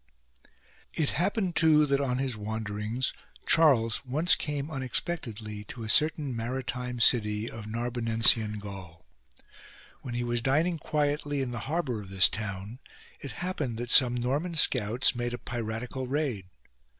It happened too that on his wanderings Charles once came unexpectedly to a certain mari time city of Narbonensian Gaul. When he was dining quietly in the harbour of this town, it happened that some Norman scouts made a piratical raid.